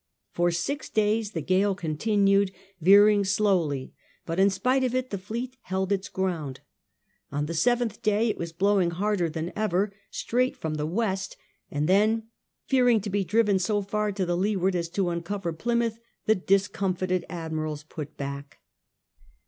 For six days the gale continued, veering slowly, but in spite of it the fleet held its ground. On the seventh day it was blowing harder than ever straight from the west, and then fearing to be driven so far to the leeward as to uncover Plymouth, the discom fited Admirals put back.